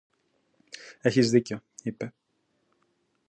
Έχεις δίκιο, είπε